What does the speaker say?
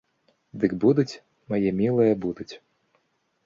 Дык будуць, мае мілыя, будуць.